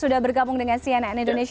sudah bergabung dengan cnn indonesia